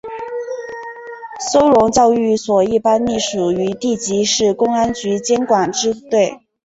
收容教育所一般隶属于地级市公安局监管支队。